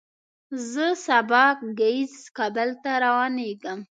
زه سبا ګهیځ کابل ته روانېږم.